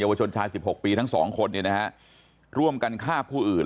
วชนชายสิบหกปีทั้งสองคนเนี่ยนะฮะร่วมกันฆ่าผู้อื่น